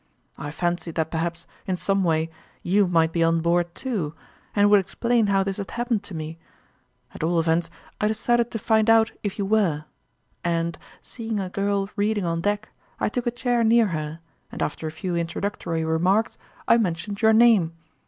I fancied that perhaps, in some way, you might be on board too, and would explain how this had happened to me. At all events, I decided to find out if you were ; 132 Sourmalin's ime and, seeing a girl reading on deck, I took a chair near her, and after a few introductory remarks I mentioned your name.